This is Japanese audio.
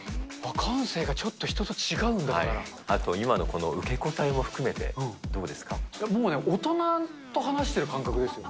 感性がちょっと人と違うんだ、あと今のこの受け答えも含めもうね、大人と話してる感覚ですよ。